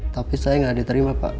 tapi saya nggak diterima pak